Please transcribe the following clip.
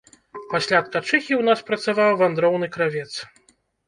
Пасля ткачыхі ў нас працаваў вандроўны кравец.